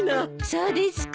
そうですか？